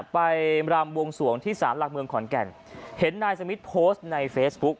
ไปรำบวงสวงที่สารหลักเมืองขอนแก่นเห็นนายสมิทโพสต์ในเฟซบุ๊ก